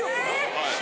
はい。